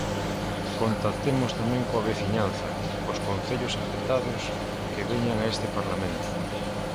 Contactemos tamén coa veciñanza, cos concellos afectados, que veñan a este Parlamento.